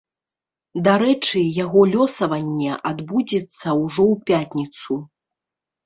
Дарэчы, яго лёсаванне адбудзецца ўжо ў пятніцу.